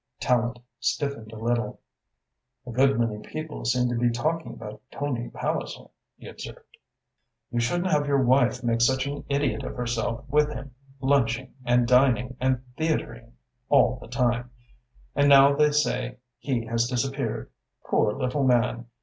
Tallente stiffened a little. "A good many people seem to be talking about Tony Palliser," he observed. "You shouldn't have let your wife make such an idiot of herself with him lunching and dining and theatring all the time. And now they say he has disappeared. Poor little man!